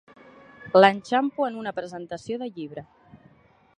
L'enxampo en una presentació de llibre.